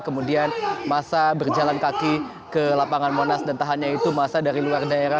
kemudian massa berjalan kaki ke lapangan monas dan tahannya itu massa dari luar daerah